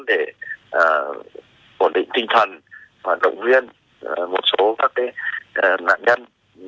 để ổn định tinh thần và động viên một số các nạn nhân